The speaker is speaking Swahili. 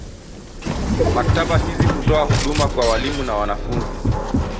Maktaba hizi hutoa huduma kwa walimu na wanafunzi.